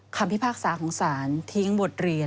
พิพากษาของศาลทิ้งบทเรียน